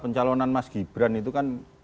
pencalonan mas gibran itu kan